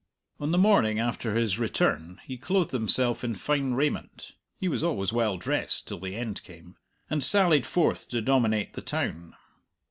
On the morning after his return he clothed himself in fine raiment (he was always well dressed till the end came), and sallied forth to dominate the town.